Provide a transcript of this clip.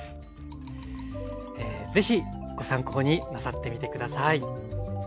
ぜひご参考になさってみて下さい。